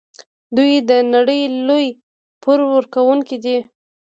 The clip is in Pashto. دوی د نړۍ لوی پور ورکوونکي دي.